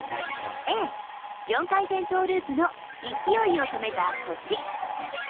Ａ、４回転トーループの勢いを止めた腰。